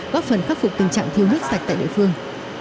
góp phần khắc phục tình trạng thiếu nước sạch tại địa phương